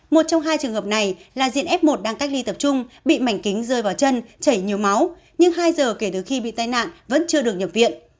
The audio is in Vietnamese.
một trong hai trường hợp này là diện f một đang cách ly tập trung bị mảnh kính rơi vào chân chảy nhiều máu nhưng hai giờ kể từ khi bị tai nạn vẫn chưa được nhập viện